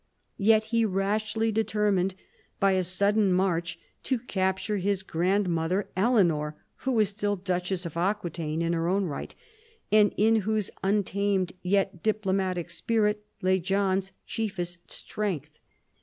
Yet he rashly determined, by a sudden march, to capture his grand mother Eleanor, who was still duchess of Aquitaine in her own right, and in whose untamed yet diplomatic spirit lay John's chiefest strength.